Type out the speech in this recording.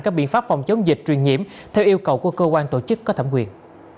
các biện pháp phòng chống dịch truyền nhiễm theo yêu cầu của cơ quan tổ chức có thẩm quyền